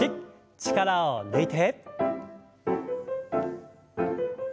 力を抜いて。